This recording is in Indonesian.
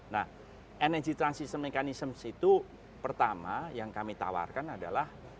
nah energy transition mechanisms itu pertama yang kami tawarkan adalah